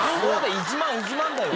１万１万だよ。